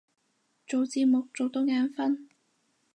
做字幕做到眼憤